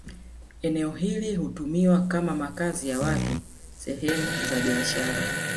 Eneo hili hutumiwa kama makazi ya watu sehemu za biashara